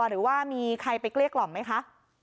หรือว่ามีใครไปเกลี้ยกล่อมไหมคะ